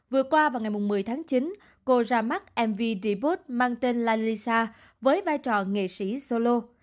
vừa qua vào ngày một mươi tháng chín cô ra mắt mv dbot mang tên la lisa với vai trò nghệ sĩ solo